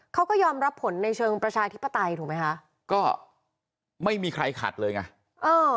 เขาก็ยอมรับผลในเชิงประชาธิปไตยถูกไหมคะก็ไม่มีใครขัดเลยไงเออ